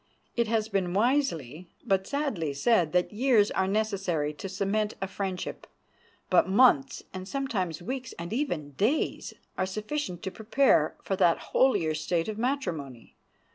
It has been wisely but sadly said that years are necessary to cement a friendship; but months, and sometimes weeks, and even days, are sufficient to prepare for that holier state of matrimony.